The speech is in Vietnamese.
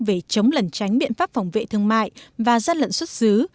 về chống lẩn tránh biện pháp phòng vệ thương mại và gian lận xuất xứ